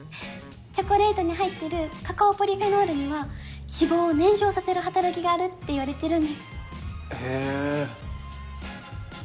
チョコレートに入ってるカカオポリフェノールには脂肪を燃焼させる働きがあるっていわれてるんですへえ